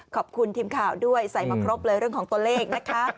ขอบคุณทีมข่าวด้วยใส่มาครบเลยเรื่องของตัวเลขนะคะ